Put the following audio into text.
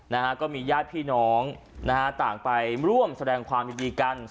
นะฮะก็มีญาติพี่น้องนะฮะต่างไปร่วมแสดงความยินดีกัน